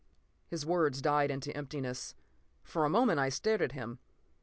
p> His words died into emptiness. For a moment I stared at him.